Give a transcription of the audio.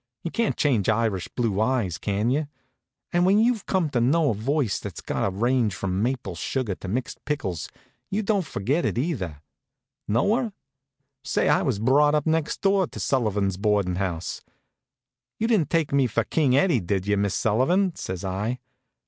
You can't change Irish blue eyes, can you? And when you've come to know a voice that's got a range from maple sugar to mixed pickles, you don't forget it, either. Know her? Say, I was brought up next door to Sullivan's boarding house. "You didn't take me for King Eddie, did you, Miss Sullivan?" says I.